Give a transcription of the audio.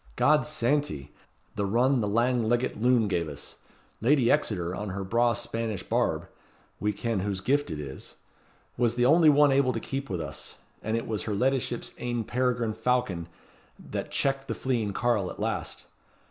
God's santy! the run the lang leggit loon gave us. Lady Exeter, on her braw Spanish barb we ken whose gift it is was the only one able to keep with us; and it was her leddyship's ain peregrine falcon that checked the fleeing carle at last.